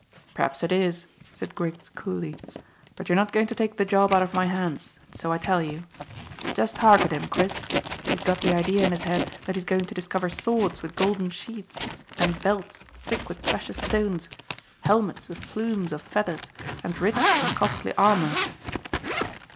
"P'r'aps it is," said Griggs coolly, "but you're not going to take the job out of my hands, and so I tell you. Just hark at him, Chris; he has got the idea in his head that he's going to discover swords with golden sheaths, and belts thick with precious stones; helmets with plumes of feathers, and rich and costly armour."